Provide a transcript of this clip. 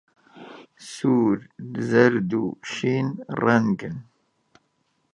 سوور، زەرد، و شین ڕەنگن.